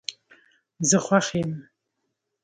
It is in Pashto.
زه خوښ یم